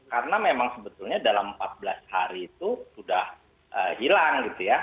karena memang sebetulnya dalam empat belas hari itu sudah hilang